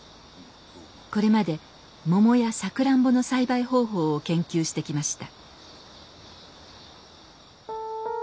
これまでモモやサクランボの栽培方法を研究してきました。